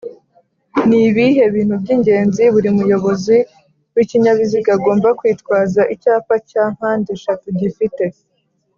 ni bihe bintu by’ingenzi buri muyobozi w’ikinyabiziga agomba kwitwaza icyapa cya mpande shatu gifite